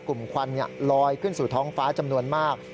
ควันลอยขึ้นสู่ท้องฟ้าจำนวนมาก